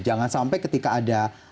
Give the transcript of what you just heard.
jangan sampai ketika ada